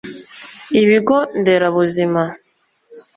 ibigo nderabuzima